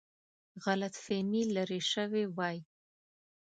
غلط فهمي لیرې شوې وای.